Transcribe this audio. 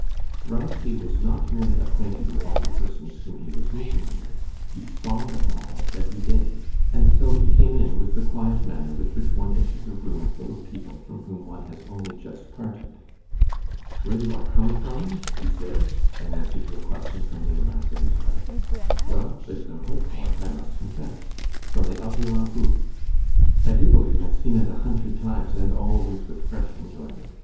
Vronsky was not merely acquainted with all the persons whom he was meeting here; he saw them all every day; and so he came in with the quiet manner with which one enters a room full of people from whom one has only just parted. "Where do I come from?" he said, in answer to a question from the ambassador's wife. "Well, there's no help for it, I must confess. From the opera bouffe. I do believe I've seen it a hundred times, and always with fresh enjoyment.